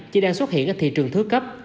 chỉ đang xuất hiện ở thị trường thưa cấp